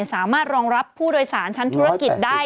สามารถรองรับผู้โดยสารชั้นธุรกิจได้